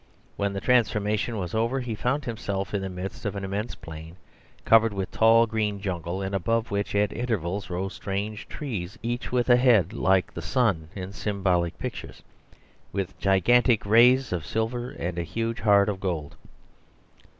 When the transformation was over he found himself in the midst of an immense plain, covered with a tall green jungle and above which, at intervals, rose strange trees each with a head like the sun in symbolic pictures, with gigantic rays of silver and a huge heart of gold.